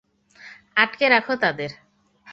আটকে রাখো তাদের!